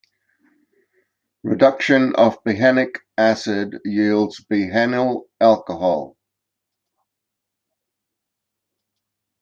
Reduction of behenic acid yields behenyl alcohol.